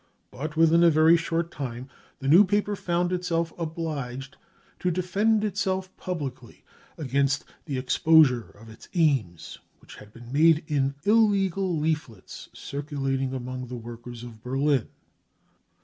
But within a very short time the new paper found itself obliged to defend itself publicly against the exposure of its aims which had been made in illegal leaflets circulating among the workers of Berlin.